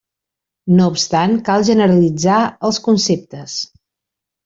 No obstant cal generalitzar els conceptes.